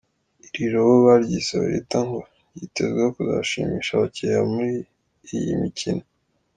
Iri robo baryise Lolita, ngo ryitezweho kuzashimisha abakiriya muri iyi mikino.